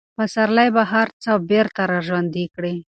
پسرلی به هر څه بېرته راژوندي کړي.